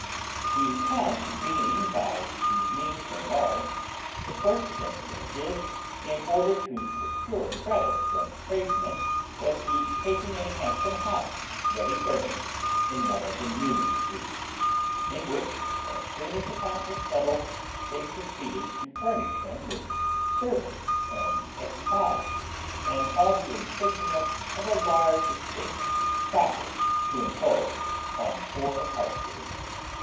The count being, by these means, enlarged, the first thing they did, in order to procure credit from tradesmen, was the taking a handsome house ready furnished in one of the new streets; in which as soon as the count was settled, they proceeded to furnish him with servants and equipage, and all the insignia of a large estate proper to impose on poor Heartfree.